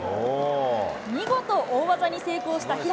見事、大技に成功した開。